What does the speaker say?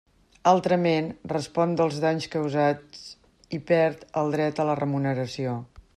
Altrament, respon dels danys causats i perd el dret a la remuneració.